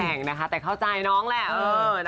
แต่งนะคะแต่เข้าใจน้องแหละ